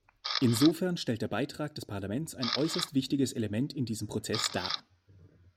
Insofern stellt der Beitrag des Parlaments ein äußerst wichtiges Element in diesem Prozess dar.